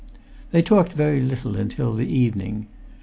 They talked very little until the evening.